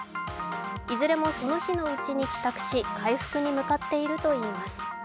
いずれも、その日のうちに帰宅し、回復に向かっているといいます。